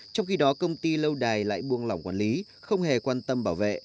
trong khi đó công ty lâu đài lại buông lỏng quản lý không hề quan tâm bảo vệ